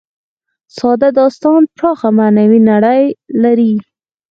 ساده داستان پراخه معنوي نړۍ لري.